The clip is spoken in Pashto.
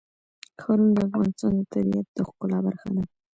ښارونه د افغانستان د طبیعت د ښکلا برخه ده.